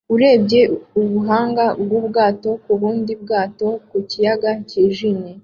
Urebye ubuhanga bwubwato ku bundi bwato ku kiyaga cyijimye